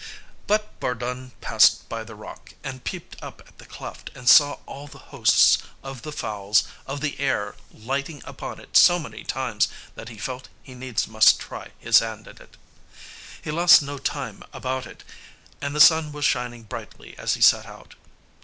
But Bardun passed by the rock, and peeped up at the cleft, and saw all the hosts of the fowls of the air lighting upon it so many times that he felt he needs must try his hand at it. He lost no time about it, and the sun was shining brightly as he set out.